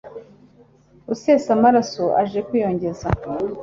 usesa amaraso aje kwiyongeza